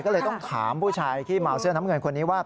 ก็เลยต้องถามผู้ชายที่เมาเสื้อน้ำเงินคนนี้ว่า